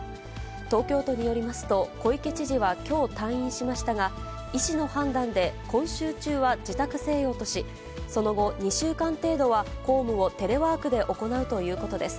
東京都によりますと、小池知事はきょう退院しましたが、医師の判断で今週中は自宅静養とし、その後、２週間程度は公務をテレワークで行うということです。